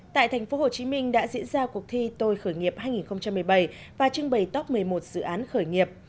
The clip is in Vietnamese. tại tp hcm đã diễn ra cuộc thi tôi khởi nghiệp hai nghìn một mươi bảy và trưng bày top một mươi một dự án khởi nghiệp